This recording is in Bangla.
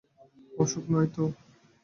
অসুখ নয় তো?